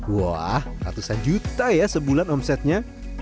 wah ratusan juta ya sebulan omsetnya